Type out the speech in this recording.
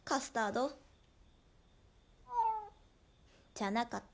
じゃなかった。